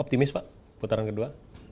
optimis pak putaran kedua